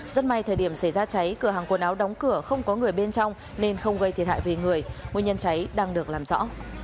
rất may thời điểm xảy ra cháy cửa hàng quần áo đóng cửa không có người bên trong nên không gây thiệt hại về người nguyên nhân cháy đang được làm rõ